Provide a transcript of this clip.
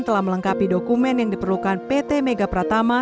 telah melengkapi dokumen yang diperlukan pt mega pratama